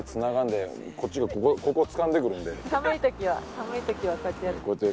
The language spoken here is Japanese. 寒いときはこうやって。